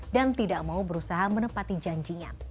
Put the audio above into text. dan tidak mau berusaha menepati janjinya